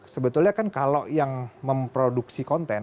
sebetulnya kan kalau yang memproduksi konten